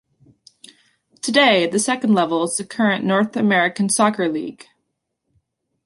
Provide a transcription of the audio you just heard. Today, the second level is the current North American Soccer League.